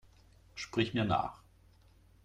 Sprich mir nach!